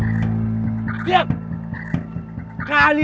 kalian ini apa sih